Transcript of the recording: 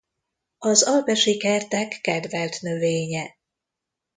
Az alpesi kertek kedvelt növénye.